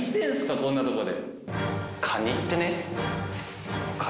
こんなとこで。